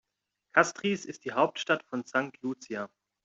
Castries ist die Hauptstadt von St. Lucia.